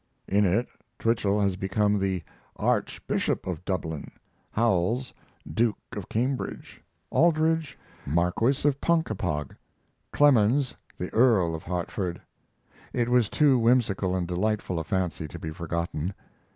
In it, Twichell has become the "Archbishop of Dublin," Howells "Duke of Cambridge," Aldrich "Marquis of Ponkapog," Clemens the "Earl of Hartford." It was too whimsical and delightful a fancy to be forgotten.